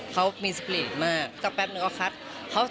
เขามีสปีริตมาก